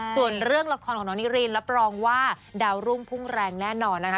ส่วนเรื่องละครของน้องนิรินรับรองว่าดาวรุ่งพุ่งแรงแน่นอนนะคะ